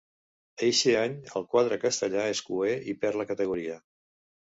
Eixe any el quadre castellà és cuer i perd la categoria.